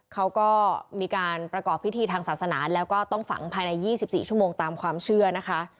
เขาก็มีการประกอบพิธีทางศาสนาแล้วก็ต้องฝังภายใน๒๔ชั่วโมงตามความเชื่อนะคะ